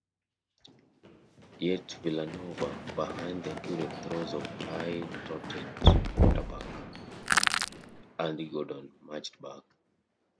Yet Villanova, behind the accurate throws of highly-touted quarterback Andy Gordon, marched back.